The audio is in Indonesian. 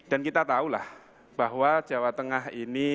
dan kita tahulah bahwa jawa tengah ini